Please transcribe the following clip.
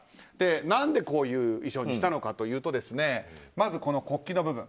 何でこういう衣装にしたのかというとまず、国旗の部分。